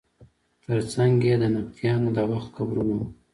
تر څنګ یې د نبطیانو د وخت قبرونه وو.